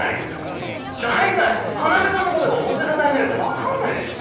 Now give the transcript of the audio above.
大体要さんのことが表沙汰になるかわかんないでしょ。